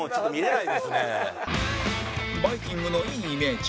バイきんぐのいいイメージ